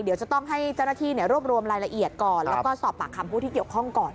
เดี๋ยวจะต้องให้เจ้าหน้าที่รวบรวมรายละเอียดก่อนแล้วก็สอบปากคำผู้ที่เกี่ยวข้องก่อน